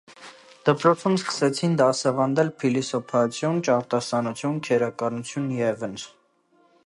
Դպրոցում սկսեցին դասավանդել փիլիսոփայություն, ճարտասանություն, քերականություն ևն։